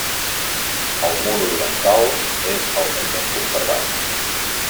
El mur oriental és el més ben conservat.